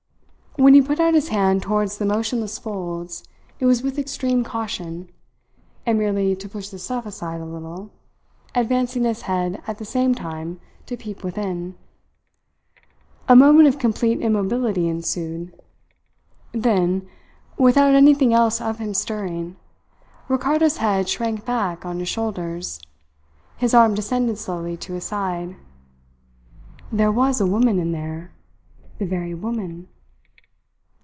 When he put out his hand towards the motionless folds it was with extreme caution, and merely to push the stuff aside a little, advancing his head at the same time to peep within. A moment of complete immobility ensued. Then, without anything else of him stirring, Ricardo's head shrank back on his shoulders, his arm descended slowly to his side. There was a woman in there. The very woman!